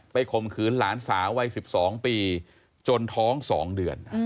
ข่มขืนหลานสาววัย๑๒ปีจนท้อง๒เดือน